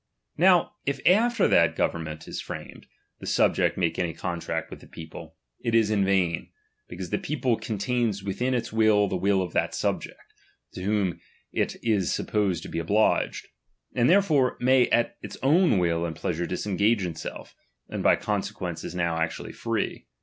Now, if after that government is framed, the subject make any contract with the people, it is in vain ; because the people contains within its will the will of that subject, to whom it is supposed to be obliged ; and therefore may at its own will and pleasure disengage itself, and by consequence is now actually free.